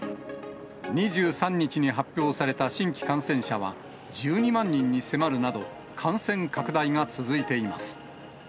２３日に発表された新規感染者は、１２万人に迫るなど、感染拡大が続いています。